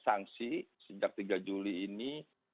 sanksi sejak tiga juli ini